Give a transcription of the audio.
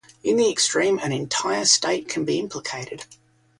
In the extreme, an entire state can be implicated.